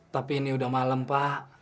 tapi ini udah malam pak